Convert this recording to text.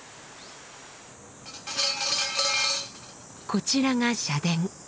こちらが社殿。